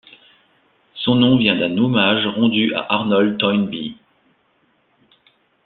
Son nom vient d'un hommage rendu à Arnold Toynbee.